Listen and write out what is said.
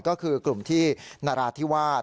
ก็คือกลุ่มที่นราธิวาส